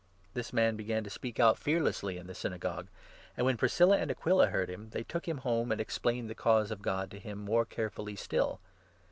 This man began 26 to speak out fearlessly in the Synagogue ; and, when Priscilla and Aquila heard him, they took him home and explained the Cause of God to him more carefully still.